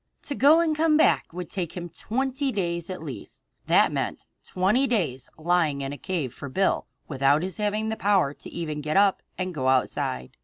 To go and come back would take him twenty days at least. That meant twenty days lying in a cave for Bill, without his having the power even to get up and go outside.